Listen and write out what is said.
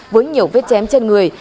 với nhiều vết chém trên người